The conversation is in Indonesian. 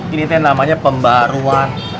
ini namanya pembaruan